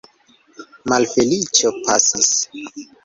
Malfeliĉo pasis!